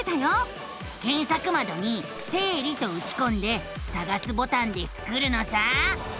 けんさくまどに「生理」とうちこんで「さがす」ボタンでスクるのさ！